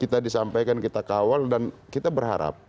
kita disampaikan kita kawal dan kita berharap